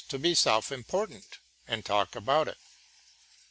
to be self important and talk about it.